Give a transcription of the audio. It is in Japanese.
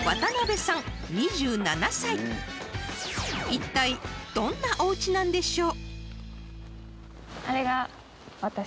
［いったいどんなおうちなんでしょう？］